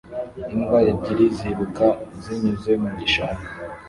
Imbwa ebyiri ziruka zinyuze mu gishanga